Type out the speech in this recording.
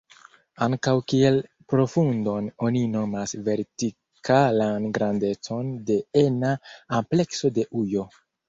Ankaŭ kiel profundon oni nomas vertikalan grandecon de ena amplekso de ujo.